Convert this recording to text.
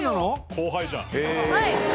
後輩じゃん！